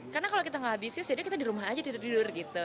karena kalau kita gak ambisius jadi kita di rumah aja tidur tidur gitu